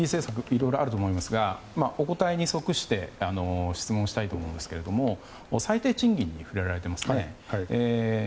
いろいろあると思いますがお答えに即して質問したいと思うんですけれども最低賃金に触れられていますね。